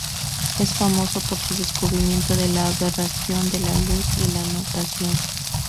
Es famoso por su descubrimiento de la aberración de la luz y la nutación.